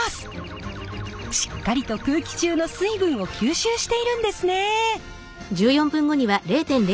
しっかりと空気中の水分を吸収しているんですね。